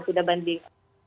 sudah banding empat